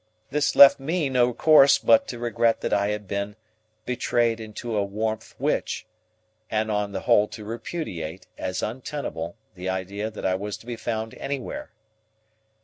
This left me no course but to regret that I had been "betrayed into a warmth which," and on the whole to repudiate, as untenable, the idea that I was to be found anywhere.